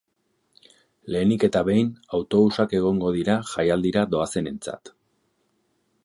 Lehenik eta behin, autobusak egongo dira jaialdira doazenentzat.